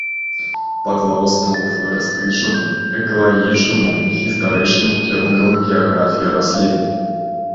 Паклаў аснову фларыстычнаму, экалагічнаму і гістарычнаму кірункам у геаграфіі раслін.